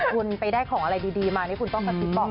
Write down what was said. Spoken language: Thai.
คุณไปได้ของอะไรดีมานี่คุณต้องกระซิบบอก